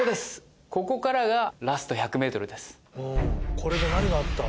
「これで何があった？」